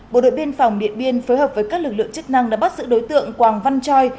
bộ đội biên phòng điện biên phối hợp với các lực lượng chức năng đã bắt giữ đối tượng quảng văn choi